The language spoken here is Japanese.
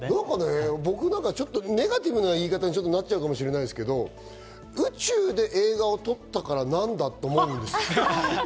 僕なんかネガティブな言い方になっちゃうかもしれないけど、宇宙で映画を撮ったからなんだ？と思うんです。